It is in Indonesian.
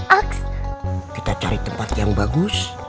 ax kita cari tempat yang bagus